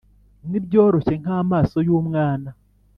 nibyoroshye nk'amaso yumwana